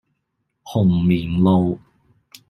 紅棉路